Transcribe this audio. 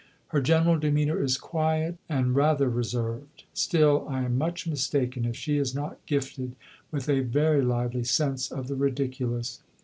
Her general demeanour is quiet and rather reserved; still, I am much mistaken if she is not gifted with a very lively sense of the ridiculous.